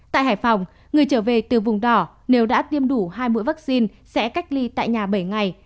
tại hải phòng người trở về từ vùng đỏ nếu đã tiêm đủ hai mũi vaccine sẽ cách ly tại nhà bảy ngày